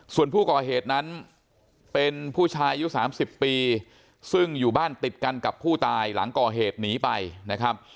ส่วนผู้ก่อเหตุนั้นเป็นผู้ชายอายุ๓๐ปีซึ่งอยู่บ้านติดกันกับผู้ตายหลังก่อเหตุหนีไปนะครับ